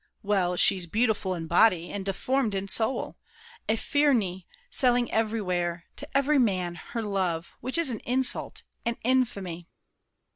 Well, She's beautiful in body, and deformed In soul! A Phryne, selling everywhere, To every man, her love, which is an insult, An infamy!